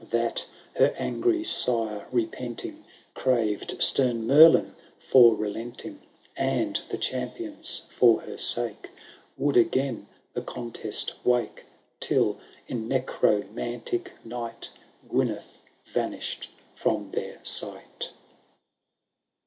That her angry sire, repenting. Craved stem Merlin for relenting, And the champions, for her sake. Would again the contest wake ; Till, in necromantic night, Gyneth vanished from their sight.